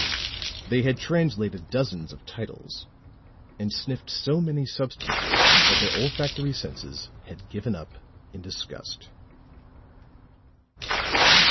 They had translated dozens of titles and sniffed so many substances that their olfactory senses had given up in disgust.